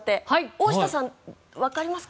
大下さん、わかりますか？